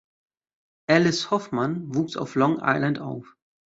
Alice Hoffman wuchs auf Long Island auf.